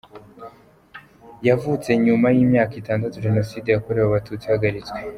Yavutse nyuma y’imyaka itandatu Jenoside yakorewe Abatutsi ihagaritswe.